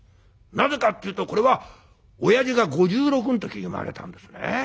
なぜかっていうとこれはおやじが５６ん時に生まれたんですね。